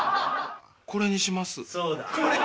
これにします。